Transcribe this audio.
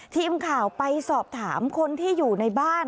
ทีมข่าวไปสอบถามคนที่อยู่ในบ้าน